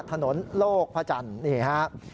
โลกพระจันทร์นี่ครับ